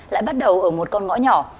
lại bắt đầu ở một con ngõ nhỏ